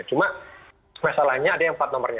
cuma masalahnya ada yang empat nomornya